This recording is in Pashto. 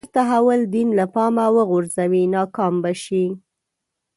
هر تحول دین له پامه وغورځوي ناکام به شي.